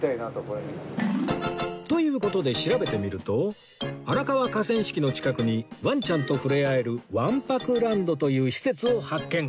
という事で調べてみると荒川河川敷の近くにワンちゃんと触れ合えるわん泊ランドという施設を発見